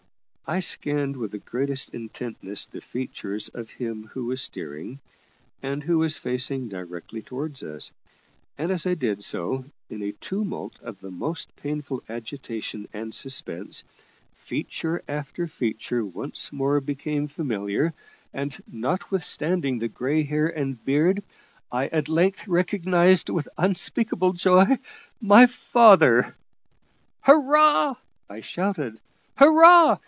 I scanned with the greatest intentness the features of him who was steering, and who was facing directly towards us; and as I did so, in a tumult of the most painful agitation and suspense, feature after feature once more became familiar, and notwithstanding the grey hair and beard, I at length recognised, with unspeakable joy, my father. "Hurrah!" I shouted; "hurrah!